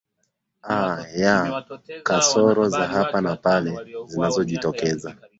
a ya kasoro za hapa na pale zinazojitokeza